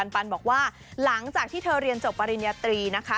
ปันบอกว่าหลังจากที่เธอเรียนจบปริญญาตรีนะคะ